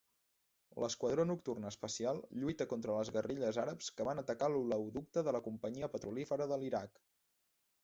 L'Esquadró Nocturn Especial lluita contra les guerrilles àrabs que van atacar l'oleoducte de la Companyia Petrolífera de l'Iraq.